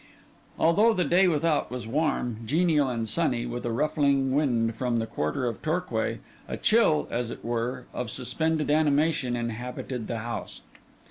Although the day without was warm, genial, and sunny, with a ruffling wind from the quarter of Torquay, a chill, as it were, of suspended animation inhabited the house.